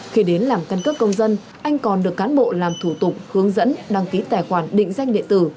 khi đến làm căn cước công dân anh còn được cán bộ làm thủ tục hướng dẫn đăng ký tài khoản định danh điện tử